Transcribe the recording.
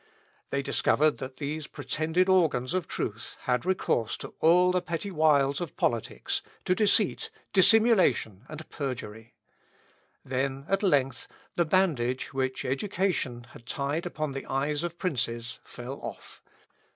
They discovered that these pretended organs of truth had recourse to all the petty wiles of politics, to deceit, dissimulation, and perjury. Then, at length, the bandage, which education had tied upon the eyes of princes, fell off.